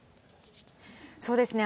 そうですね。